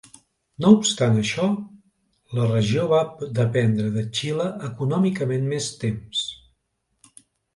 No obstant això, la regió va dependre de Xile econòmicament més temps.